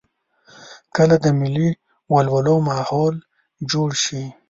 کله د ملي ولولو ماحول جوړ شي.